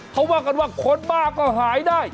เขาว่ากันว่าคนบ้าก็หายได้